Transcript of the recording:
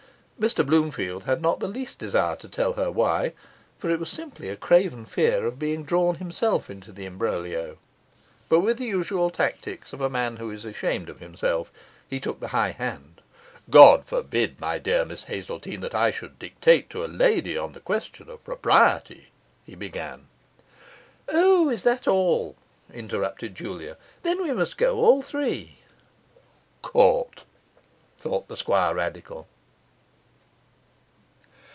Mr Bloomfield had not the least desire to tell her why, for it was simply a craven fear of being drawn himself into the imbroglio; but with the usual tactics of a man who is ashamed of himself, he took the high hand. 'God forbid, my dear Miss Hazeltine, that I should dictate to a lady on the question of propriety ' he began. 'O, is that all?' interrupted Julia. 'Then we must go all three.' 'Caught!' thought the Squirradical.